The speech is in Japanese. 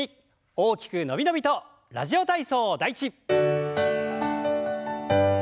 大きく伸び伸びと「ラジオ体操第１」。